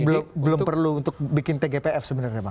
jadi belum perlu untuk bikin tgpf sebenarnya bang